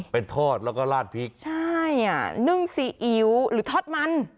ทอดแล้วก็ลาดพริกใช่อ่ะนึ่งซีอิ๊วหรือทอดมัน